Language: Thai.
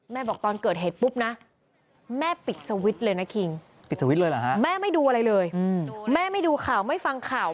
แม่ปิดสวิตช์เลยนะคิงแม่ไม่ดูอะไรเลยแม่ไม่ดูข่าวไม่ฟังข่าว